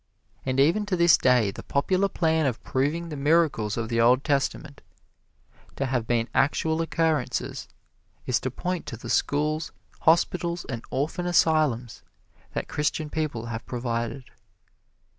And even to this day the popular plan of proving the miracles of the Old Testament to have been actual occurrences is to point to the schools, hospitals and orphan asylums that Christian people have provided.